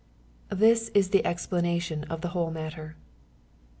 This is the explanation of the whole matter.